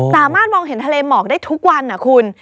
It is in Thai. สามารถมองเห็นทะเลหมอกได้ทุกวันนะคุณ